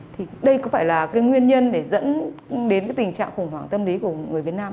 thì đây có phải là cái nguyên nhân để dẫn đến cái tình trạng khủng hoảng tâm lý của người việt nam